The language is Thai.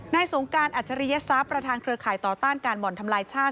สงการอัจฉริยศัพย์ประธานเครือข่ายต่อต้านการบ่อนทำลายชาติ